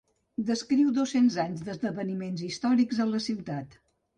Descriu dos-cents anys d'esdeveniments històrics a la ciutat.